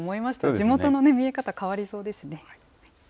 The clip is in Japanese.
地元の見え方、変わりそうですね。